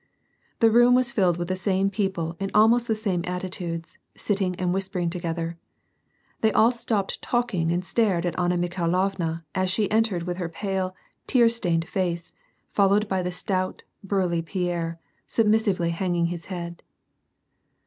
The room was filled with the same people in almost the same attitudes, sitting and whispering together. They all stopped talking and stared at Anna Mikliailovna as she entered with her pale, tear stained face, followed by the stout, burly Pierre, submissively hanging his head.